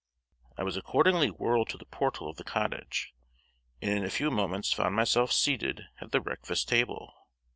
I was accordingly whirled to the portal of the cottage, and in a few moments found myself seated at the breakfast table.